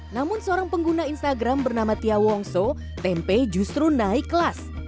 namun seorang pengguna instagram bernama tia wongso tempe justru naik kelas